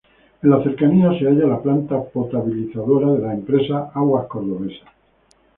En las cercanías se halla la planta potabilizadora de la empresa Aguas Cordobesas.